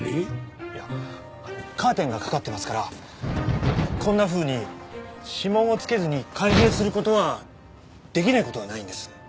いやカーテンがかかってますからこんなふうに指紋をつけずに開閉する事は出来ない事はないんです。